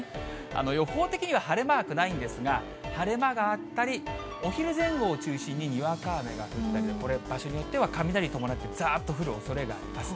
予報的には晴れマークないんですが、晴れ間があったり、お昼前後を中心ににわか雨が降ったりと、これ、場所によっては雷伴って、ざーっと降るおそれがあります。